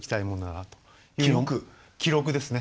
記録ですね。